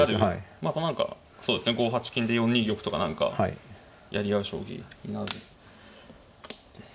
また何かそうですね５八金で４二玉とか何かやり合う将棋になるんですかね。